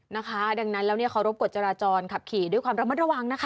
นะคะดังนั้นแล้วเนี่ยเคารพกฎจราจรขับขี่ด้วยความระมัดระวังนะคะ